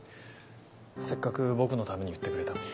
せっかく僕のために言ってくれたのに。